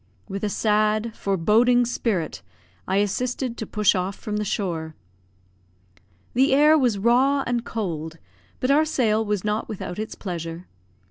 With a sad, foreboding spirit I assisted to push off from the shore. The air was raw and cold, but our sail was not without its pleasure.